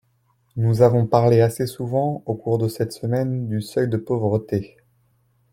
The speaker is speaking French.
Nous avons parlé assez souvent, au cours de cette semaine, du seuil de pauvreté.